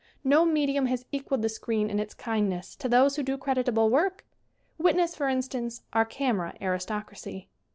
No medium has equalled the screen in its kindness to those who do creditable work. Witness, for instance, our camera aristocracy.